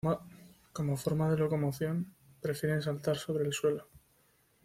Como forma de locomoción, prefieren saltar sobre el suelo.